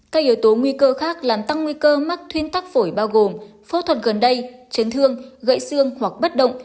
các yếu tố nguy cơ khác làm tăng nguy cơ mắc thuyên tắc phổi bao gồm phẫu thuật gần đây chấn thương gãy xương hoặc bất động